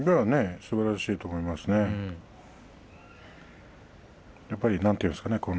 すばらしいと思いますね。